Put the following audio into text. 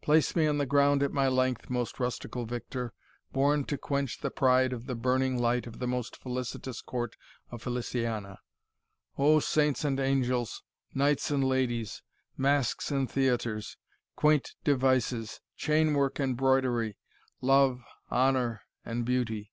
Place me on the ground at my length, most rustical victor, born to quench the pride of the burning light of the most felicitous court of Feliciana O saints and angels knights and ladies masques and theatres quaint devices chain work and broidery love, honour, and beauty!